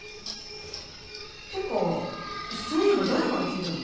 てかそういえば誰から聞いたの？